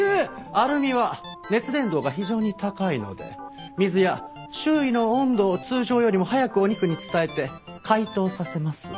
アルミは熱伝導が非常に高いので水や周囲の温度を通常よりも早くお肉に伝えて解凍させます。